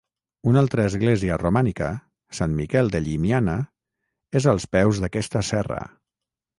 Una altra església romànica, Sant Miquel de Llimiana és als peus d'aquesta serra.